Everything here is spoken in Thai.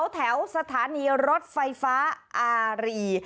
แถวสถานีรถไฟฟ้าอารี